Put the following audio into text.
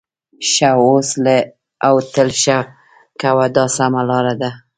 ښه اوسه او تل ښه کوه دا سمه لار ده.